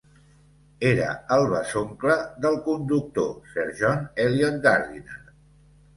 Era el besoncle del conductor Sir John Eliot Gardiner.